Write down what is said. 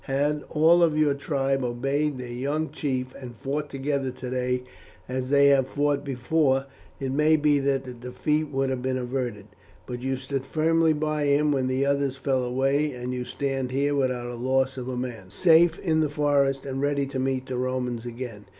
Had all of your tribe obeyed their young chief and fought together today as they have fought before, it may be that the defeat would have been averted; but you stood firmly by him when the others fell away, and you stand here without the loss of a man, safe in the forest and ready to meet the Roman again.